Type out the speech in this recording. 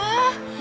eh jangan jangan